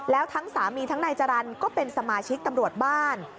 แล้วทั้งสามีทั้งนายจรรย์ก็เป็นสมาชิกตำรวจบ้าน